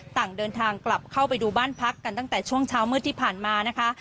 ต่างเดินทางกลับเข้าไปดูบ้านพักกันตั้งแต่ช่วงเช้ามืดที่ผ่านมานะคะ